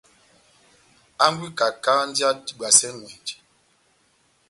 Hángwɛ wa ikaká mɔ́ndi adibwasɛ ŋʼwɛnjɛ.